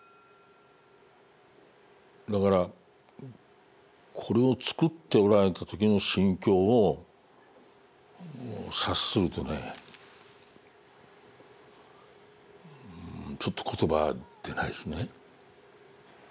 だからこれを作っておられた時の心境を察するとねちょっと言葉出ないですね。